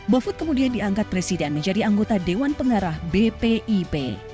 mahfud kemudian diangkat presiden menjadi anggota dewan pengarah bpip